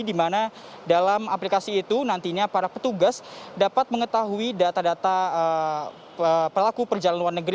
di mana dalam aplikasi itu nantinya para petugas dapat mengetahui data data pelaku perjalanan luar negeri